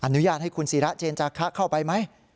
อนุญาตให้คุณศิราเจนจาคะเข้าไปไหม